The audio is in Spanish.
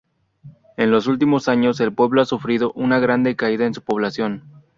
En los últimos años, el pueblo ha sufrido una gran decaída en su población.